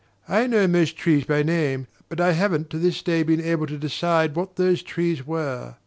I know most trees by name, but I haven't to this day been able to decide what those trees were.